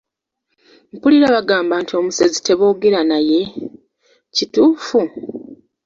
Mpulira bagamba nti omusezi teboogera naye, Kituufu?